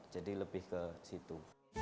jadi lebih ke situ